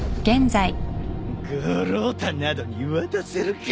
五郎太などに渡せるか。